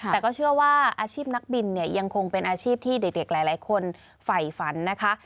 แต่ก็เชื่อว่าอาชีพนักบินเนี่ยยังคงเป็นอาชีพที่เด็กหลายคนไฝฝันนะคะ